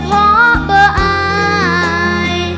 ขอบคุณครับ